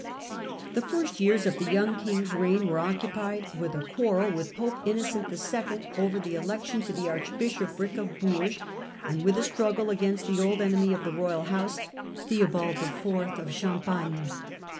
The first years of the young king's reign were occu pied with a quarrel with Pope Innocent II. over the elec tion to the archbishopric of Bourges, and with a struggle against the old enemy of the royal house, Theobald IV. of Champagne.